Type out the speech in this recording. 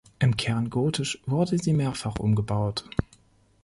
Im Kern gotisch wurde sie mehrfach umgebaut.